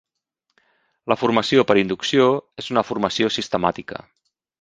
La formació per inducció és una formació sistemàtica.